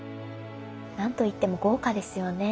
何といっても豪華ですよね。